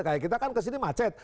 kayak kita kan ke sini macet